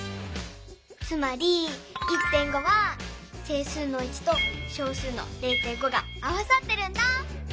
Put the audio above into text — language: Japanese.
つまり１．５は整数の１と小数の０．５が合わさってるんだ。